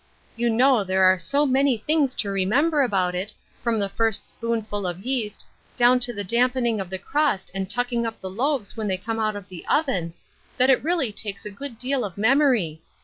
You know there are so many things to remember about it, from the first spoonful of yeast, down to the dampening of the crust and tucking up the loaves when they come out of the oven, that it really takes a good deal of memory.